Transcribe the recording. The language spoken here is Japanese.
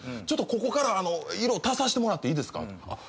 「ちょっとここから色足させてもらっていいですか」